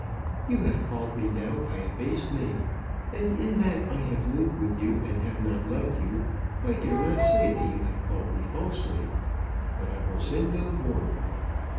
You have called me now by a base name; and in that I have lived with you and have not loved you, I dare not say that you have called me falsely. But I will sin no more."